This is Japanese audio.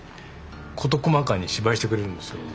事細かに芝居してくれるんですよ。